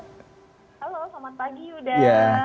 halo selamat pagi uda